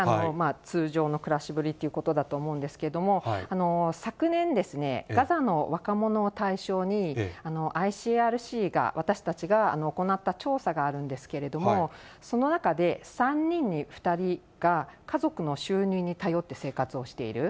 通常の暮らしぶりということだと思うんですけれども、昨年、ガザの若者を対象に、ＩＣＲＣが、私たちが、行った調査があるんですけれども、その中で３人に２人が家族の収入に頼って生活をしている。